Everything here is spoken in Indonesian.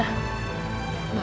bapak lagi di rumah